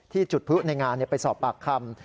จุดพลุในงานไปสอบปากคำ